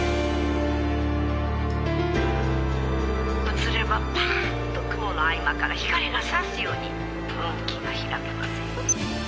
「移ればパーッと雲の合間から光がさすように運気が開けますよ」